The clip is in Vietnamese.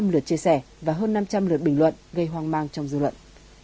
một sáu trăm linh lượt chia sẻ và hơn năm trăm linh lượt bình luận gây hoang mang trong dư luận